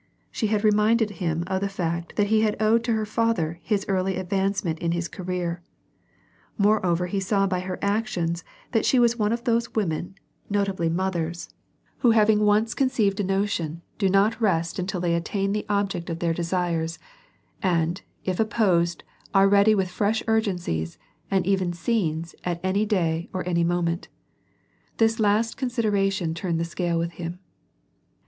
She had reminded him of the fact that he had owed to her father his early advancement in his career; moreover he saw by her actions that she was one of those women, notably mothers, who hav WAR AND PEACE. 17 ing once conceived a notion, do not rest until they attain the object of their desires, and, if opposed are ready with fresh urgencies, and even scenes at any day or any moment. This last consideration turned the scale with him.